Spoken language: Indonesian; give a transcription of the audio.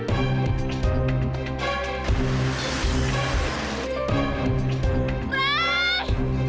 apa ada kesinariohian di dalam diri kamu